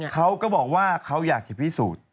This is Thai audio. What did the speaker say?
เขาก็บอกว่าเขาอยากจะพิสูจน์